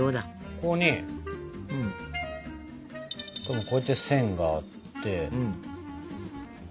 ここにこうやって線があって。